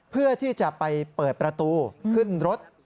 เพื่อที่จะไปเปิดประตูขึ้นรถ